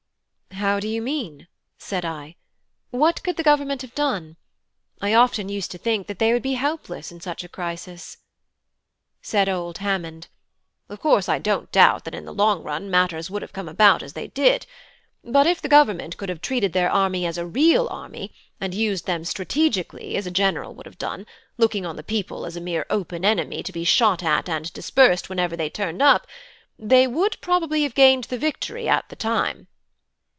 "How do you mean?" said I. "What could the Government have done? I often used to think that they would be helpless in such a crisis." Said old Hammond: "Of course I don't doubt that in the long run matters would have come about as they did. But if the Government could have treated their army as a real army, and used them strategically as a general would have done, looking on the people as a mere open enemy to be shot at and dispersed wherever they turned up, they would probably have gained the victory at the time."